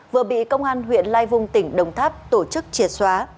vừa bị công an huyện lai vung tỉnh đồng tháp tổ chức triệt xóa